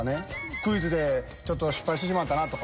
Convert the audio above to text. クイズでちょっと失敗してしまったなとか。